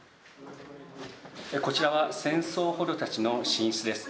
こちらは戦争捕虜たちの寝室です。